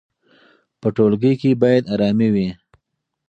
په ټولګي کې باید ارامي وي.